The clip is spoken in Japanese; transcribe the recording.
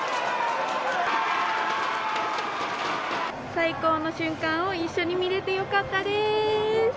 最高の瞬間を一緒に見られてよかったです。